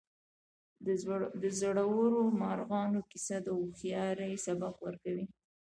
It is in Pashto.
د زړورو مارغانو کیسه د هوښیارۍ سبق ورکوي.